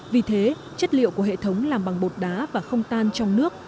vì thế chất liệu của hệ thống làm bằng bột đá và không tan trong nước